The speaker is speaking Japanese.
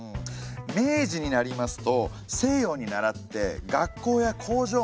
明治になりますと西洋にならって学校や工場もできましたよね。